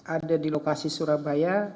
ada di lokasi surabaya